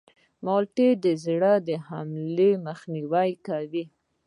مالټې د زړه د حملې مخنیوی کوي.